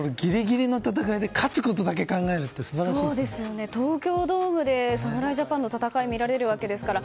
ギリギリの戦いで勝つことだけ考えるって東京ドームで侍ジャパンの戦いが見られるわけですから。